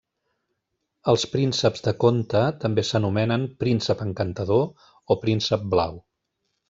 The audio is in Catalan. Els prínceps de conte també s'anomenen príncep encantador o príncep blau.